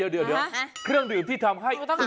เดี๋ยวเครื่องดื่มที่ทำให้